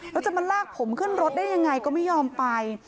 แล้วจะมาลากผมขึ้นรถได้ยังไงก็ไม่ยอมไป